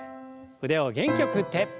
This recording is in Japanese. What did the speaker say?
腕を元気よく振って。